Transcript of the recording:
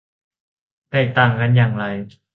แตกต่างกันอย่างไร